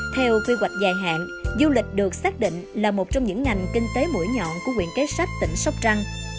theo quy hoạch dài hạn du lịch được xác định là một trong những ngành kinh tế mũi nhọn của quyện kế sách tỉnh sóc trăng